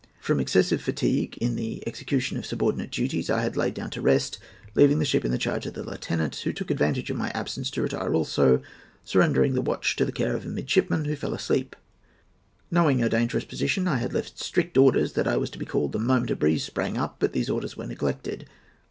From excessive fatigue in the execution of subordinate duties, I had lain down to rest, leaving the ship in charge of the lieutenant, who took advantage of my absence to retire also, surrendering the watch to the care of a midshipman, who fell asleep. Knowing our dangerous position, I had left strict orders that I was to be called the moment a breeze sprang up; but these orders were neglected.